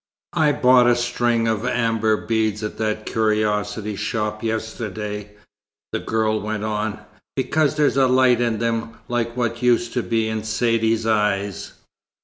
"I bought a string of amber beads at that curiosity shop yesterday," the girl went on, "because there's a light in them like what used to be in Saidee's eyes.